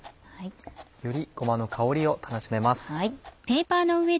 よりごまの香りを楽しめます。